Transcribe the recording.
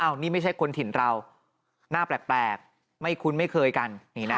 นี่ไม่ใช่คนถิ่นเราหน้าแปลกไม่คุ้นไม่เคยกัน